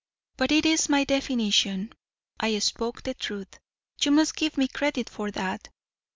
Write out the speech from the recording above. But it is my definition I spoke the truth. You must give me credit for that."